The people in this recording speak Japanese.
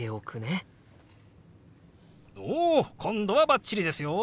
今度はバッチリですよ。